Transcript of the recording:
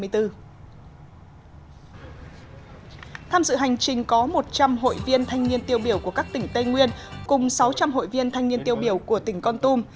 tham dự hành trình có một trăm linh hội viên thanh niên tiêu biểu của các tỉnh tây nguyên cùng sáu trăm linh hội viên thanh niên tiêu biểu của tỉnh con tum